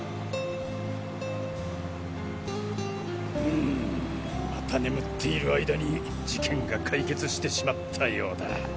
うぅむまた眠っている間に事件が解決してしまったようだ。